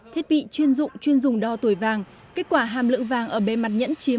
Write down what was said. thiết bị chuyên dụng chuyên dùng đo tuổi vàng kết quả hàm lượng vàng ở bề mặt nhẫn chiếm